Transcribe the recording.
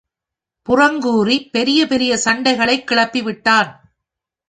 புறங்கூறிப் பெரிய பெரிய சண்டைகளைக் கிளப்பி விட்டான்.